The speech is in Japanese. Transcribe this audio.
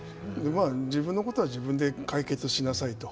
自分のことは自分で解決しなさいと。